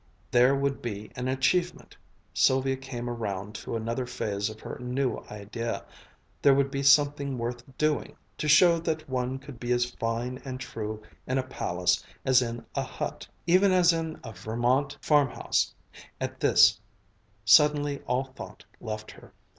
There would be an achievement! Sylvia came around to another phase of her new idea, there would be something worth doing, to show that one could be as fine and true in a palace as in a hut, even as in a Vermont farmhouse! At this, suddenly all thought left her.